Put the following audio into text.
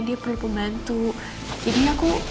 dia perlu pembantu jadi aku